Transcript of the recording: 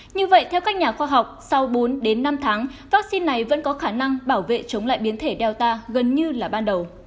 như vậy theo các nhà khoa học sau bốn đến năm tháng vaccine này vẫn có khả năng bảo vệ chống lại biến thể data gần như là ban đầu